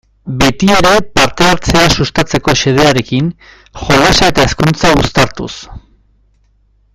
Beti ere parte-hartzea sustatzeko xedearekin, jolasa eta hezkuntza uztartuz.